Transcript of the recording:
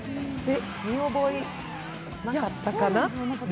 見覚えなかったかな？